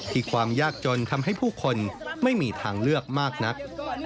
ความยากจนทำให้ผู้คนไม่มีทางเลือกมากนัก